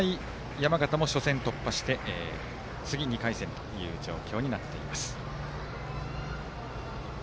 山形も初戦突破して次、２回戦という状況になっています。